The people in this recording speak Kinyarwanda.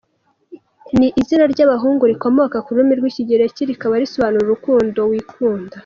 ni izina ry’abahngu rikomoka ku rurimi rw’Ikigereki rikaba risobanura “Urukundo wikunda”.